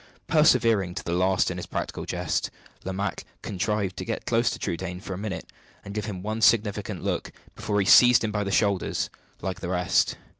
Persevering to the last in his practical jest, Lomaque contrived to get close to Trudaine for a minute, and to give him one significant look before he seized him by the shoulders, like the rest.